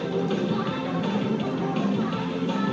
ตรงตรงตรงตรง